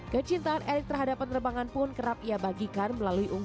kecintaan erick terhadap penerbangan pun kerap ia bagikan melalui